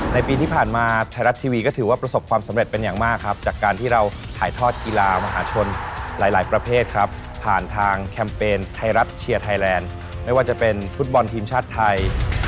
ในปีที่ผ่านมาไทยรัฐทีวีก็ถือว่าประสบความสำเร็จเป็นอย่างมากครับจากการที่เราถ่ายทอดกีฬามหาชนหลายประเภทครับผ่านทางแคมเปญไทยรัฐเชียร์ไทยแลนด์ไม่ว่าจะเป็นฟุตบอลทีมชาติไทย